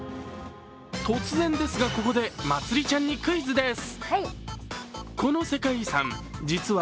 突然ですがここでまつりちゃんにクイズです。